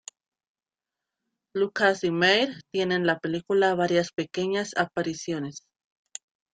Lucas Demare tiene en la película varias pequeñas apariciones.